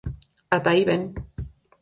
Ata aí ben.